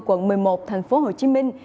quận một mươi một thành phố hồ chí minh